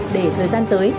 để thời gian tới